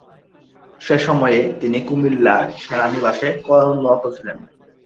সে সময়ে তিনি কুমিল্লা সেনানিবাসে কর্মরত ছিলেন।